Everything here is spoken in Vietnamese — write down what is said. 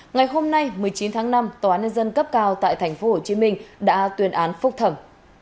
ngày hôm nay một mươi chín tháng năm tòa án nhân dân cấp cao tại tp hcm đã tuyên án phúc thẩm